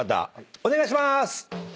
お願いしまーす。